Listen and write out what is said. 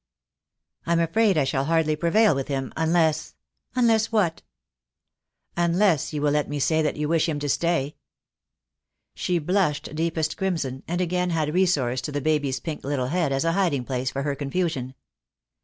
"I'm afraid I shall hardly prevail with him, un less " "Unless what?" "Unless you will let me say that you wish him to stay." She blushed deepest crimson, and again had resource to the baby's pink little head as a hiding place for her confusion.